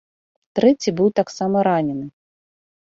Трэці быў таксама ранены.